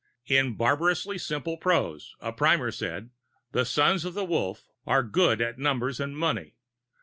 In barbarously simple prose, a primer said: "The Sons of the Wolf are good at numbers and money.